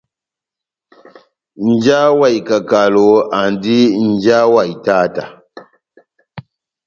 Nja wa ikakalo, andi nja wa itáta.